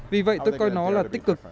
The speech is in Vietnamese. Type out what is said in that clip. vì vậy tôi coi nó là tích cực